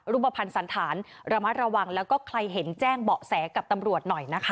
รูปภัณฑ์สันธารระมัดระวังแล้วก็ใครเห็นแจ้งเบาะแสกับตำรวจหน่อยนะคะ